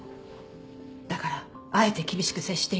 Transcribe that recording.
だからあえて厳しく接していたと。